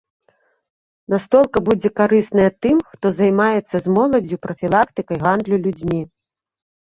Настолка будзе карысная тым, хто займаецца з моладдзю прафілактыкай гандлю людзьмі.